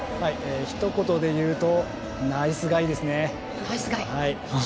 ひと言でいうとナイスガイですね。